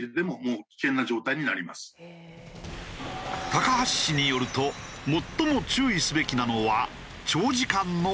高橋氏によると最も注意すべきなのは長時間の大雨。